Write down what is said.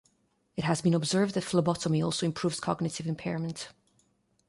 It has been observed that phlebotomy also improves cognitive impairment.